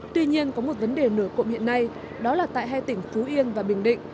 tuy nhiên có một vấn đề nổi cộm hiện nay đó là tại hai tỉnh phú yên và bình định